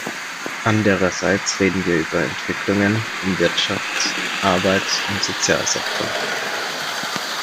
Andererseits reden wir über Entwicklungen im Wirtschafts-, Arbeits- und Sozialsektor.